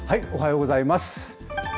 おはようございます。